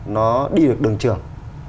nó đi được đường trường